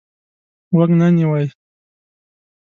غوږ نه نیوی.